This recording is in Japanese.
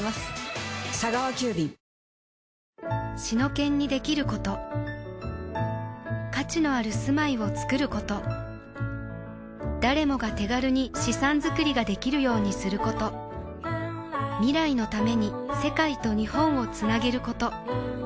シノケンにできること価値のある住まいをつくること誰もが手軽に資産づくりができるようにすること未来のために世界と日本をつなげること